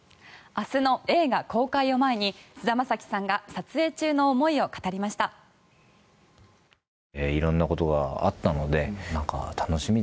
明日の映画公開を前に菅田将暉さんが撮影中の思いを語りました。